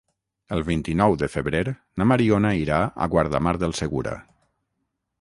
El vint-i-nou de febrer na Mariona irà a Guardamar del Segura.